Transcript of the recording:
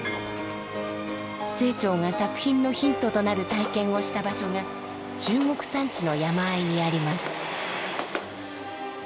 清張が作品のヒントとなる体験をした場所が中国山地の山あいにあります。